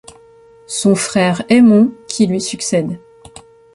Son frère, Aymon, qui lui succède.